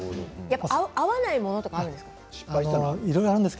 合わないものとかあるんですか？